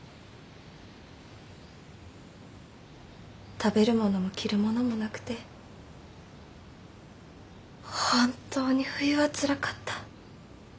食べる物も着る物もなくて本当に冬はつらかった。